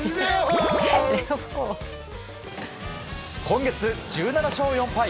今月、１７勝４敗。